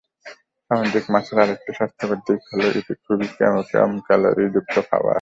সামুদ্রিক মাছের আরেকটি স্বাস্থ্যকর দিক হলো এটি খুবই কম-ক্যালোরি যুক্ত খাবার।